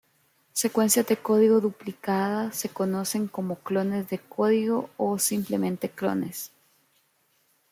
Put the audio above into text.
Secuencias de código duplicado se conocen como clones de código o simplemente clones.